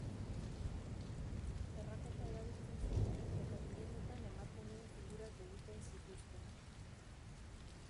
Terrakota erabiltzen zuten eta gehienetan emakumeen figurak egiten zituzten.